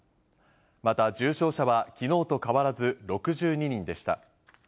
また、重症者はきのうと変わらず６２人でした。